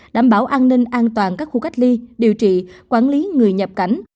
đảm bảo an ninh an toàn các khu cách ly điều trị quản lý người nhập cảnh